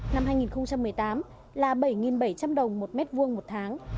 năm hai nghìn một mươi tám là bảy bảy trăm linh đồng một mét vuông một tháng